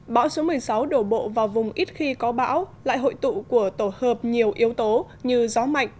bão số một mươi sáu đổ bộ vào vùng ít khi có bão lại hội tụ của tổ hợp nhiều yếu tố như gió mạnh